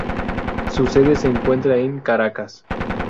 Su sede se encuentra en Caracas.